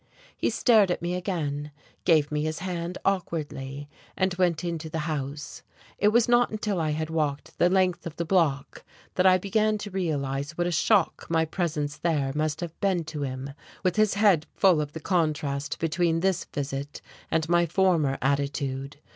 He stared at me again, gave me his hand awkwardly, and went into the house. It was not until I had walked the length of the block that I began to realize what a shock my presence there must have been to him, with his head full of the contrast between this visit and my former attitude.